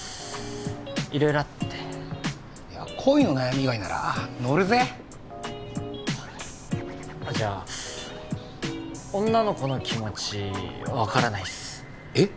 色々あって恋の悩み以外なら乗るぜじゃあ女の子の気持ち分からないっすえっ？